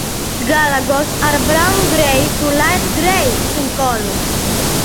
Galagos are brown grey to light grey in color.